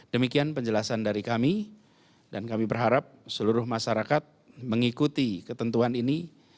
demikian penjelasan dari kami dan kami berharap seluruh masyarakat mengikuti ketentuan ini